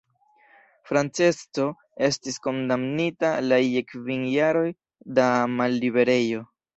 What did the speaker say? Francesco estis kondamnita la je kvin jaroj da malliberejo.